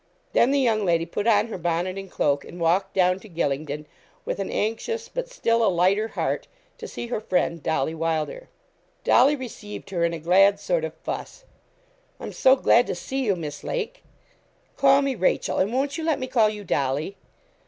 Then the young lady put on her bonnet and cloak, and walked down to Gylingden, with an anxious, but still a lighter heart, to see her friend, Dolly Wylder. Dolly received her in a glad sort of fuss. 'I'm so glad to see you, Miss Lake.' 'Call me Rachel; and won't you let me call you Dolly?'